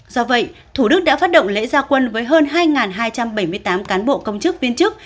do vậy thủ đức đã phát động lễ gia quân với hơn hai hai trăm bảy mươi tám cán bộ công chức viên chức